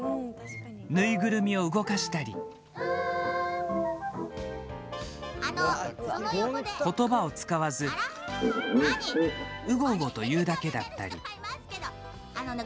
縫いぐるみを動かしたり言葉を使わず「ウゴウゴ」と言うだけだったり。